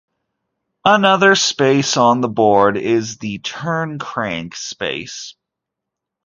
Another space on the board is the "turn crank" space.